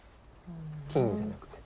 金じゃなくて。